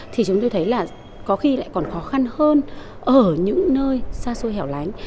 thì chúng tôi thấy là có khi lại còn khó khăn hơn ở những nơi xa xôi hẻo lánh